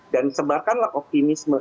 dan sebarkanlah optimisme